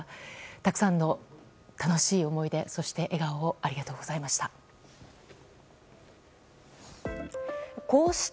たくさんの楽しい思い出、そして笑顔をありがとうございました。